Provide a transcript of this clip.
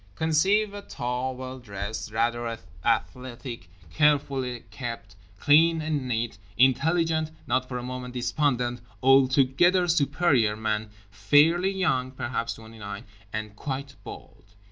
Conceive a tall, well dressed, rather athletic, carefully kept, clean and neat, intelligent, not for a moment despondent, altogether superior man, fairly young (perhaps twenty nine) and quite bald.